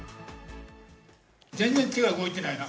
全然手が動いてないな。